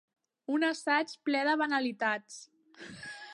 Un assaig ple de banalitats.